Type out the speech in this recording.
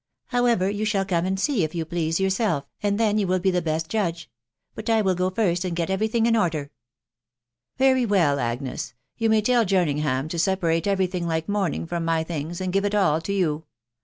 However, you shall come and ee*v if yon please, yourself, and then you will he the heat judge ; bvt£ will go first, and get every tiring' ia order." ''Very well, then, Agnes, you may tell Jerningham to w parate every thing like mourning from my things, aneYgfai it all to you.